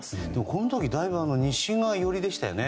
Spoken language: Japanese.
この時はだいぶ西側寄りでしたよね。